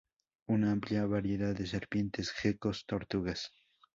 Una amplia variedad de serpientes, gecos, tortugas.